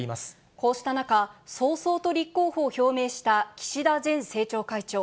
こうした中、早々と立候補を表明した岸田前政調会長。